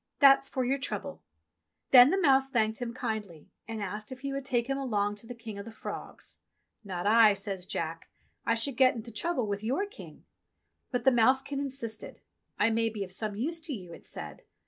"That's for your trouble !" Then the mouse thanked him kindly and asked if he would take him along to the King of the Frogs. "Not I," says Jack. "I should get into trouble with your King." But the mousekin insisted. "I may be of some use to you," it said.